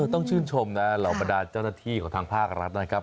ต้องชื่นชมนะเหล่าบรรดาเจ้าหน้าที่ของทางภาครัฐนะครับ